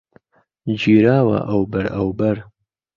گیراوه ئهو بهر ئهوبهر